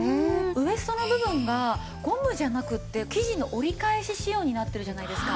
ウエストの部分がゴムじゃなくて生地の折り返し仕様になっているじゃないですか。